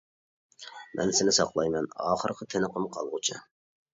مەن سېنى ساقلايمەن. ئاخىرقى تىنىقىم قالغۇچە.